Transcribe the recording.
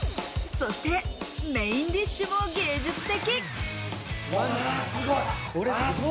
そしてメインディッシュも芸術的！